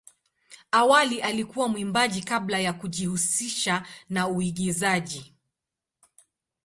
Awali alikuwa mwimbaji kabla ya kujihusisha na uigizaji.